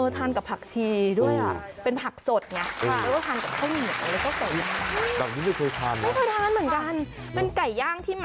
ทานกับผักชีด้วย